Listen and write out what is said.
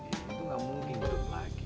itu gak mungkin hidup lagi